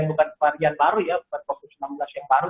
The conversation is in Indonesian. bukan covid sembilan belas yang baru